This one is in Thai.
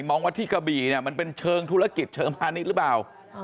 มองว่าที่กระบี่มันเป็นเชิงธุรกิจเชิงมานิดหรือเปล่า